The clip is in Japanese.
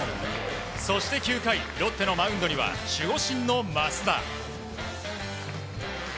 そして９回ロッテのマウンドには守護神の益田。